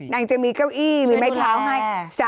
ยังมีเก้าอี้มีไม้เท้าให้